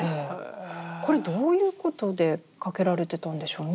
これどういうことで掛けられてたんでしょうね？